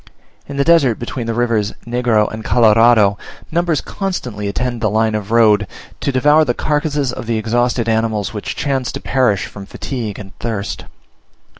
In the desert between the rivers Negro and Colorado, numbers constantly attend the line of road to devour the carcasses of the exhausted animals which chance to perish from fatigue and thirst.